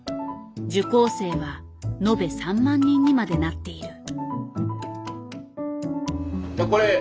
受講生は延べ３万人にまでなっている。